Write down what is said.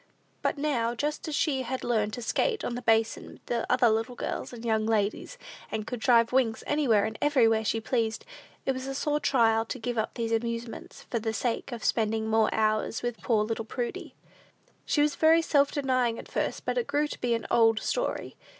But now, just as she had learned to skate on the basin with other little girls and young ladies, and could drive Wings anywhere and everywhere she pleased, it was a sore trial to give up these amusements for the sake of spending more hours with poor little Prudy. She was very self denying at first, but it grew to be an "old story."